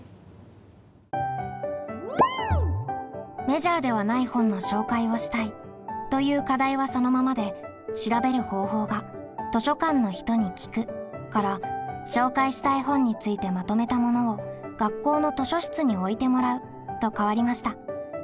「メジャーではない本の紹介をしたい」という課題はそのままで調べる方法が「図書館の人に聞く」から「紹介したい本についてまとめたものを学校の図書室に置いてもらう」と変わりました。